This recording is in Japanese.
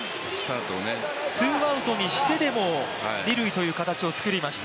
ツーアウトにしてでも二塁という形を作りました。